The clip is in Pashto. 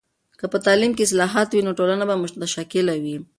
که په تعلیم کې اصلاحات وي، نو ټولنه به متشکل وي.